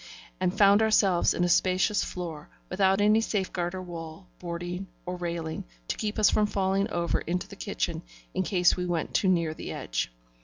and found ourselves in a spacious floor, without any safeguard or wall, boarding, or railing, to keep us from falling over into the kitchen in case we went too near the edge.